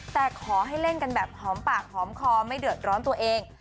แต่ขอให้เล่นกันแบบหอมปากหอมคอไม่เดือดร้อนตัวเอง